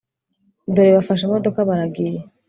Dore bafashe imodoka baragiye